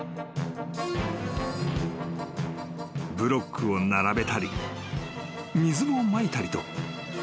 ［ブロックを並べたり水をまいたりと］